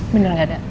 bener gak ada